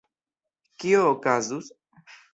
Kio okazus?